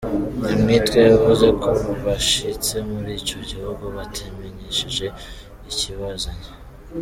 Nyamitwe yavuze ko bashitse muri ico gihugu batamenyesheje ikibazanye.